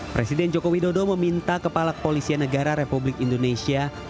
presiden joko widodo meminta kepala kepolisian negara republik indonesia